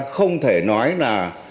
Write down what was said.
không thể nói là